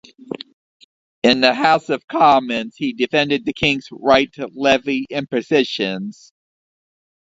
In the House of Commons he defended the king's right to levy impositions.